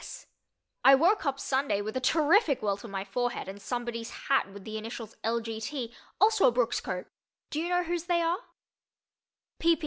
I woke up Sunday with a terrific welt on my forehead and somebody's hat with the initials L. G. T., also a Brooks coat. Do you know whose they are?